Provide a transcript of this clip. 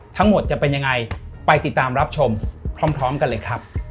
ทั้งหมดจะเป็นยังไงไปติดตามรับชมพร้อมกันเลยครับ